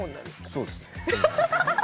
そうです。